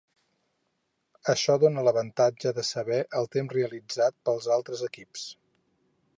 Això dóna l'avantatge de saber el temps realitzat pels altres equips.